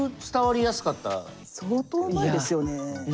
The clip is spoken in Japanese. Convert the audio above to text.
相当うまいですよね。